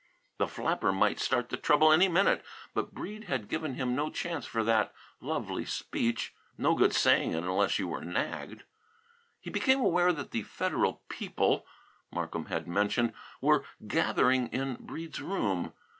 The flapper might start the trouble any minute. But Breede had given him no chance for that lovely speech. No good saying it unless you were nagged. He became aware that the "Federal people" Markham had mentioned were gathering in Breede's room.